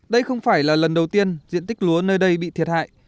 đây không phải là lần đầu tiên diện tích lúa nơi đây bị thiệt hại